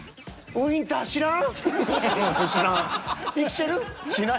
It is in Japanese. ウィンター知らん。